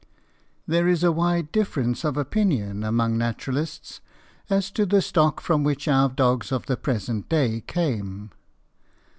_) There is a wide difference of opinion among naturalists as to the stock from which our dogs of the present day came.